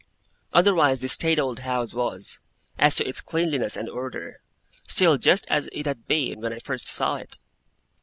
Otherwise the staid old house was, as to its cleanliness and order, still just as it had been when I first saw it.